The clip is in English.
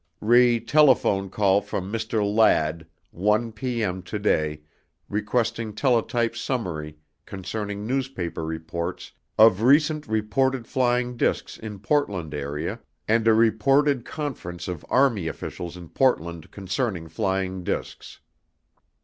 RE TELEPHONE CALL FROM MR. LADD, ONE PM TODAY REQUESTING TELETYPE SUMMARY CONCERNING NEWSPAPER REPORTS OF RECENT REPORTED FLYING DISCS IN PORTLAND AREA AND A REPORTED CONFERENCE OF ARMY OFFICIALS IN PORTLAND CONCERNING FLYING DISCS.